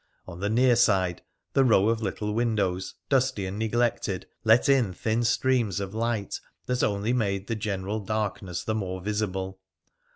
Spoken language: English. On the near side the row of little windows, dusty and neglected, let in thin streams of light that only made the general dark ness the more visible.